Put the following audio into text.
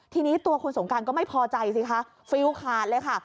ทีนี้ตัวคุณสงการก็ไม่พอใจสิคะฟิลขาดเลยค่ะ